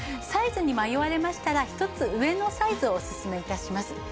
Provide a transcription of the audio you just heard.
サイズに迷われましたら１つ上のサイズをおすすめ致します。